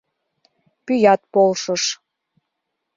Пӱят полшыш.